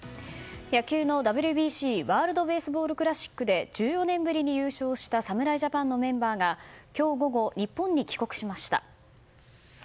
野球のＷＢＣ・ワールド・ベースボール・クラシックで１４年ぶりに優勝した侍ジャパンのメンバーが今日午後、日本に帰国しました。